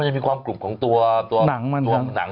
มันจะมีความกรุบของตัวหนังมัน